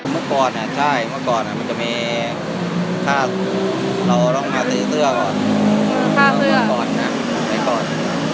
เมื่อก่อนใช่เมื่อก่อนมันจะมีค่าเราต้องมาซื้อเสื้อก่อน